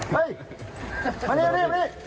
เฮ้ยมานี่